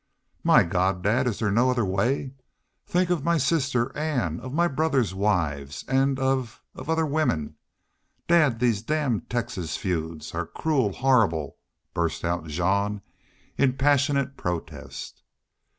"My God dad! is there no other way? Think of my sister Ann of my brothers' wives of of other women! Dad, these damned Texas feuds are cruel, horrible!" burst out Jean, in passionate protest.